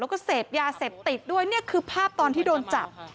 ก็เศษยาเศษติดด้วยนี่คือภาพตอนที่โดนจับ